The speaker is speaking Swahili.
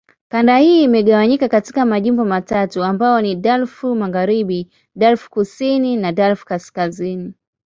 Kanda hii imegawanywa katika majimbo matatu ambayo ni: Darfur Magharibi, Darfur Kusini, Darfur Kaskazini.